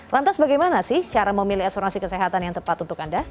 lantas bagaimana sih cara memilih asuransi kesehatan yang tepat untuk anda